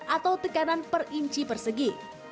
atau tekanan per inci persegi